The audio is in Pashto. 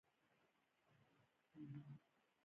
ډرامه د حق او باطل جګړه ښيي